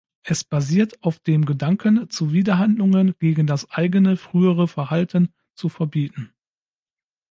Es basiert auf dem Gedanken, Zuwiderhandlungen gegen das eigene frühere Verhalten zu verbieten.